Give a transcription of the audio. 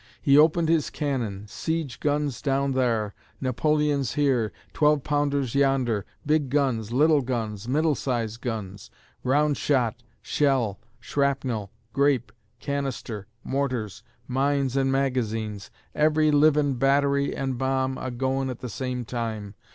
He opened his cannon, siege guns down thar, Napoleons here, twelve pounders yonder, big guns, little guns, middle size guns, round shot, shell, shrapnel, grape, canister, mortars, mines and magazines, every livin' battery and bomb a'goin' at the same time.